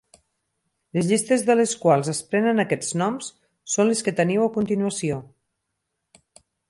Les llistes de les quals es prenen aquests noms són les que teniu a continuació.